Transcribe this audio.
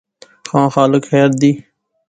ہاں خالق خیر دی